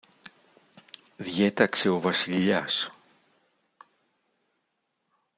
διέταξε ο Βασιλιάς